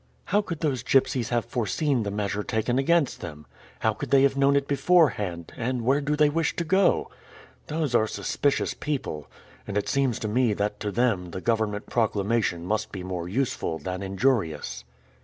How could those gipsies have foreseen the measure taken against them? how could they have known it beforehand, and where do they wish to go? Those are suspicious people, and it seems to me that to them the government proclamation must be more useful than injurious."